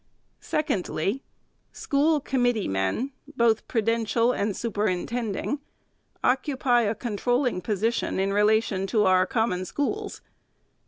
Secondly. School committee men, both prudential and superintending, occupy a controlling position in relation to our Common Schools.